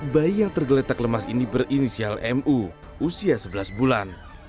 bayi yang tergeletak lemas ini berinisial mu usia sebelas bulan